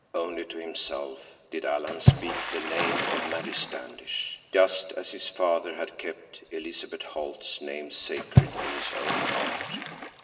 Only to himself did Alan speak the name of Mary Standish, just as his father had kept Elizabeth Holt's name sacred in his own heart.